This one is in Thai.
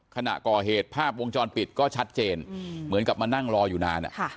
ขณะก่อเหตุภาพวงจรปิดก็ชัดเจนเหมือนกับมานั่งรออยู่นาน